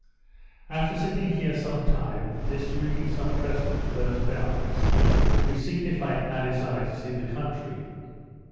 After sitting here some time, and distributing some presents to those about us, we signified our desire to see the country.